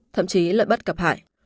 thậm chí lợi bất cập hại